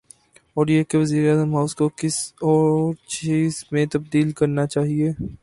اوریہ کہ وزیراعظم ہاؤس کو کسی اورچیز میں تبدیل کرنا چاہیے۔